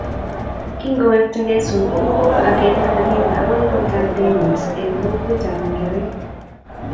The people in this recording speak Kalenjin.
Kingowektakei sukul kowo agenge agenge agoi gotab Deni eng kokwetab mogorek